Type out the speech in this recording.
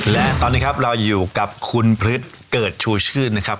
และตอนนี้ครับเราอยู่กับคุณพฤษเกิดชูชื่นนะครับ